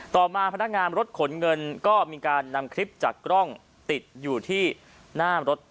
ต่อมาพนักงานรถขนเงินก็มีการนำคลิปจากกล้องติดอยู่ที่หน้ารถ